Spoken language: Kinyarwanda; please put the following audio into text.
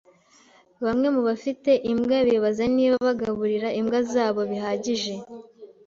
Bamwe mubafite imbwa bibaza niba bagaburira imbwa zabo bihagije.